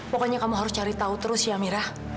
pokoknya kamu harus cari tahu terus ya mira